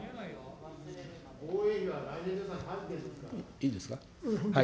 いいですか。